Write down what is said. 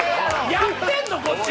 やってんの、こっち。